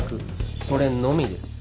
それのみです。